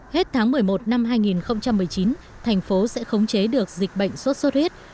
hết tháng một mươi một năm hai nghìn một mươi chín thành phố sẽ khống chế được dịch bệnh sốt sốt huyết